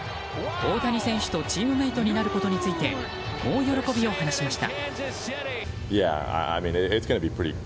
大谷選手とチームメートになることについてこう喜びを話しました。